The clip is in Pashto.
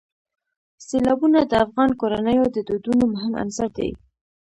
سیلابونه د افغان کورنیو د دودونو مهم عنصر دی.